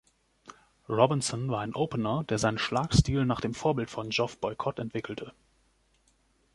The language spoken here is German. Robinson war ein Opener, der seinen Schlagstil nach dem Vorbild von Geoff Boycott entwickelte.